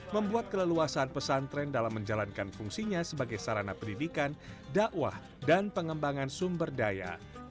membuat keleluasan pesantren dalam menjalankan fungsinya sebagai sarana pendidikan dakwah dan pengembangan sumber daya